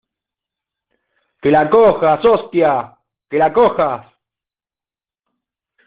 ¡ que la cojas! ¡ hostia, que la cojas !